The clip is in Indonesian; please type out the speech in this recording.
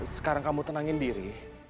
sekarang kamu tenangin diri